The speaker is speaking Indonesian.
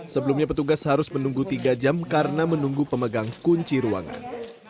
sebelumnya petugas harus menunggu tiga jam karena menunggu pemegang kunci ruangan